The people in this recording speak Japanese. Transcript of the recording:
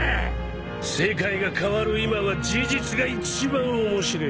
世界が変わる今は事実が一番面白え。